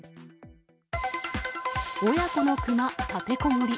親子のクマ立てこもり。